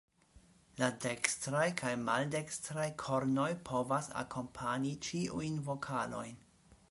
La dekstraj kaj maldekstraj kornoj povas akompani ĉiujn vokalojn.